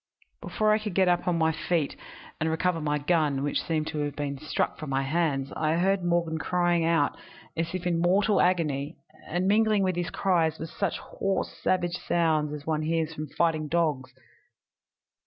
"Before I could get upon my feet and recover my gun, which seemed to have been struck from my hands, I heard Morgan crying out as if in mortal agony, and mingling with his cries were such hoarse savage sounds as one hears from fighting dogs.